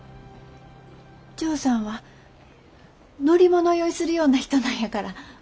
ジョーさんは乗り物酔いするような人なんやから。